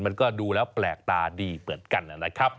มันก็ดูแล้วแปลกตาดีเหมือนกันนะครับ